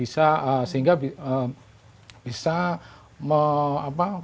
sehingga bisa membuat masyarakat